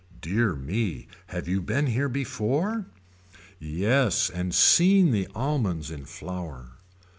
Dear me have you been here before. Yes and seen the almonds in flower.